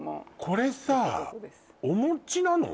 これさお餅なの？